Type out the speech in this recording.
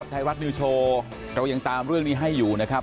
ไทยรัฐนิวโชว์เรายังตามเรื่องนี้ให้อยู่นะครับ